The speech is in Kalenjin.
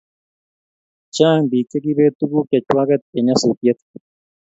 Chang pik chekibet tuguk chechawanget en nyasutiet